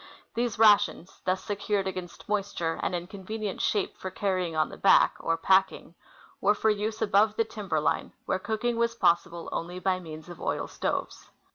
These rations, thus secured against moisture and in convenient shape for carrying on the back (or " packing "), were for use above the timber line, where cooking was possible only by means of oil stoves.